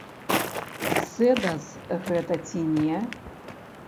Сэдас гэта ці не?